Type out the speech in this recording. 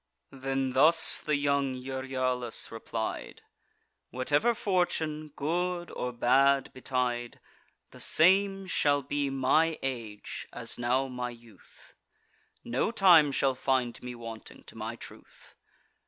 Then thus the young Euryalus replied: "Whatever fortune, good or bad, betide, The same shall be my age, as now my youth; No time shall find me wanting to my truth.